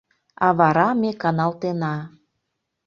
А вара ме каналтена.